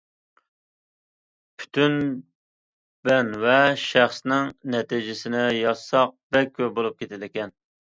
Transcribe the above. پۈتۈن بەن ۋە شەخسنىڭ نەتىجىسىنى يازساق بەك كۆپ بولۇپ كېتىدىكەن.